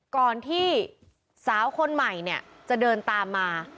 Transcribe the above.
ก่อนที่สาวคนใหม่เนี่ยจะเดินตามมา